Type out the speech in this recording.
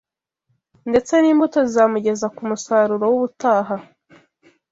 ndetse n’imbuto zizamugeza ku musaruro w’ubutaha